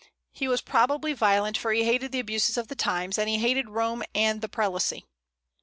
He was probably violent, for he hated the abuses of the times, and he hated Rome and the prelacy.